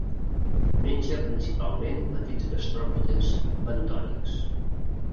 Menja principalment petits gastròpodes bentònics.